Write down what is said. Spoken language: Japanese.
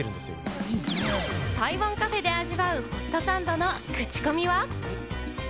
台湾カフェで味わうホットサンドのクチコミは？